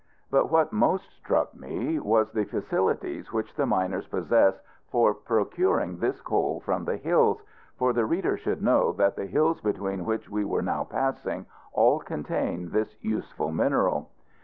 But what most struck me was the facilities which the miners possess for procuring this coal from the hills: for the reader should know that the hills between which we were now passing, all contain this useful mineral.